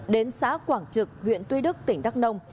đến xã quảng trực huyện tuy đức tỉnh đắk nông